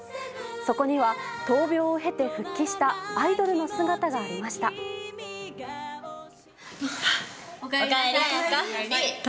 そこには、闘病を経て復帰したアイドルの姿がありました。